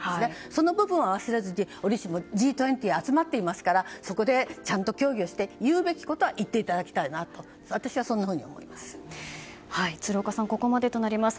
その部分は忘れずに折しもＧ２０集まってますからちゃんと協議をして言うべきことは言っていただきたいと鶴岡さん、ここまでとなります。